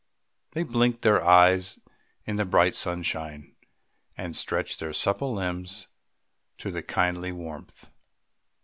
They blinked their eyes in the bright sunshine, and stretched their supple limbs to the kindly warmth.